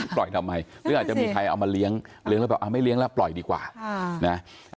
ทำไมหรืออาจจะมีใครเอามาเลี้ยงเลี้ยงแล้วแบบไม่เลี้ยงแล้วปล่อยดีกว่านะ